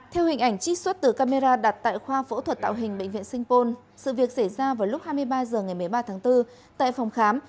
theo hình ảnh trích xuất từ camera đặt tại khoa phẫu thuật tạo hình bệnh viện sinh pôn sự việc xảy ra vào lúc hai mươi ba h ngày một mươi ba tháng bốn tại phòng khám